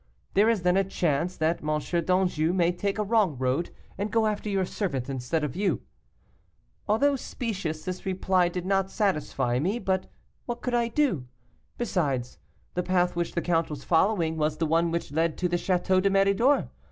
There is then a chance that M. d'Anjou may take a wrong road, and go after your servant instead of you.' Although specious, this reply did not satisfy me, but what could I do? Besides, the path which the count was following was the one which led to the Château de Méridor.